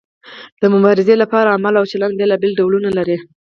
د مبارزې لپاره عمل او چلند بیلابیل ډولونه لري.